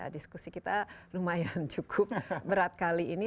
diskusi kita lumayan cukup berat kali ini